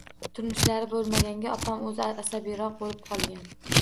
Turmushlari bo`lmaganga, opam o`zi asabiyroq bo`lib qolgan